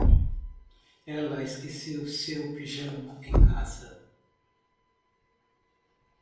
Ela esqueceu seu pijama em casa.